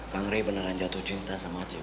bang rey beneran jatuh cinta sama cikgu